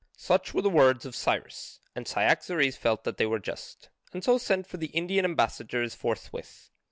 Such were the words of Cyrus, and Cyaxares felt that they were just, and so sent for the Indian ambassadors forthwith.